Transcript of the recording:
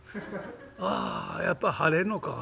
ああやっぱ晴れるのか。